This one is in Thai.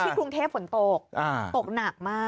กรุงเทพฝนตกตกหนักมาก